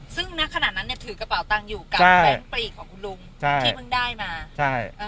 ซึ่งณขณะนั้นเนี่ยถือกระเป๋าตังค์อยู่กับแบงค์ปลีกของคุณลุงใช่ที่เพิ่งได้มาใช่อ่า